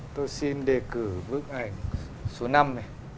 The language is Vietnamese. tôi xin đề cử bức ảnh số năm này